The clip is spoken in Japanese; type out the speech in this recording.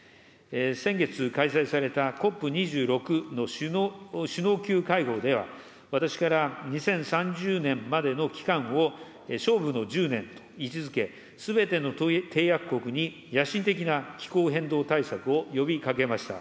先月、開催されたＣＯＰ２６の首脳級会合では、私から２０３０年までの期間を、勝負の１０年と位置づけ、すべての締約国に野心的な気候変動対策を呼びかけました。